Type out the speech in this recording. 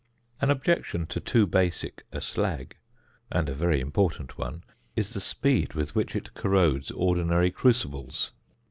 An objection to too basic a slag (and a very important one) is the speed with which it corrodes ordinary crucibles.